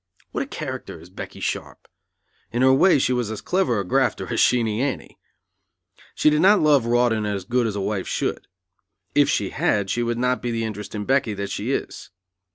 What a character is Becky Sharp! In her way she was as clever a grafter as Sheenie Annie. She did not love Rawdon as a good wife should. If she had she would not be the interesting Becky that she is.